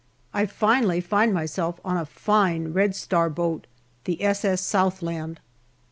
I finally find myself on a fine Red Star boat, the S.S. Southland.